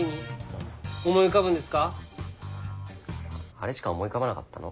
あれしか思い浮かばなかったの。